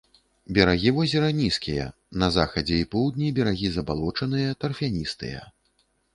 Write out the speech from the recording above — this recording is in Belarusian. Берагі возера нізкія, на захадзе і поўдні берагі забалочаныя, тарфяністыя.